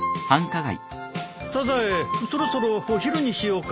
サザエそろそろお昼にしようか。